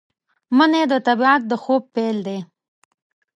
منی د طبیعت د خوب پیل دی